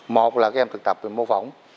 một là các em thực tập về mô phỏng